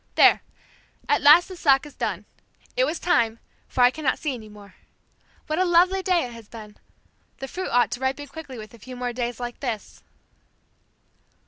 There! At last the sock is done! It was time, for I cannot see any more. What a lovely day it has been! The fruit ought to ripen quickly with a few more days like this."